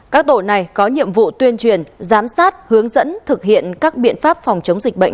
các tổ này có nhiệm vụ tuyên truyền giám sát hướng dẫn thực hiện các biện pháp phòng chống dịch bệnh